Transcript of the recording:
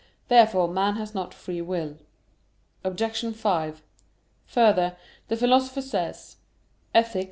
Therefore man has not free will. Obj. 5: Further, the Philosopher says (Ethic.